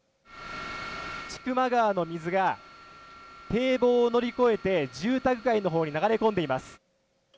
千曲川の水が堤防を乗り越えて、住宅街のほうに流れ込んでいます。